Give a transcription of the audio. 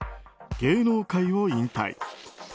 芸能界を引退。